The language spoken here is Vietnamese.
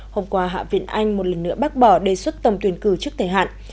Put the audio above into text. hôm qua hạ viện anh một lần nữa bác bỏ đề xuất tầm tuyển cử trước thời hạn